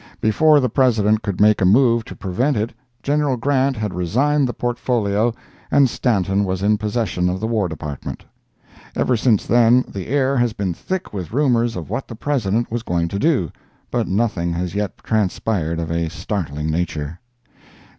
Before the President could make a move to prevent it, General Grant had resigned the portfolio and Stanton was in possession of the War Department. Ever since then the air has been thick with rumors of what the President was going to do, but nothing has yet transpired of a startling nature.